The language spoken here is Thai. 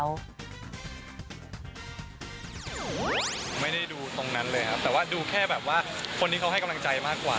จริงนั้นแต่ตอนหนูหนูก็ไม่ได้โกรธใครเลยค่ะ